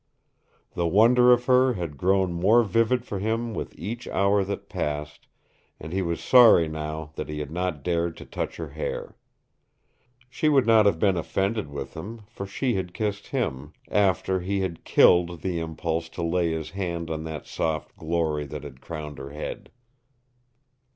The wonder of her had grown more vivid for him with each hour that passed, and he was sorry now that he had not dared to touch her hair. She would not have been offended with him, for she had kissed him after he had killed the impulse to lay his hand on that soft glory that had crowned her head.